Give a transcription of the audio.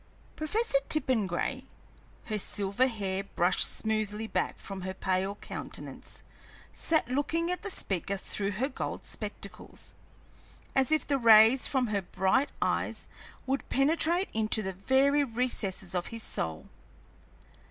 Professor Tippengray, her silver hair brushed smoothly back from her pale countenance, sat looking at the speaker through her gold spectacles, as if the rays from her bright eyes would penetrate into the very recesses of his soul.